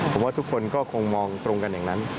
ผมว่าทุกคนก็คงมองตรงกันอย่างนั้น